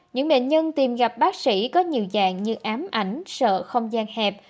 những bệnh nhân tìm gặp bác sĩ có nhiều dạng như ám ảnh sợ không gian hẹp